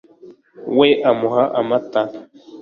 we amuha amata